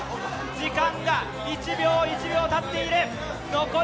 時間が１秒１秒たっている。